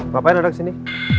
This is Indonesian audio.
ngapain ada kesini